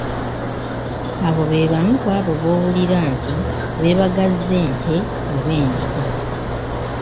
Abo beebamu ku abo boowulira nti beebagazze ente oba endiga!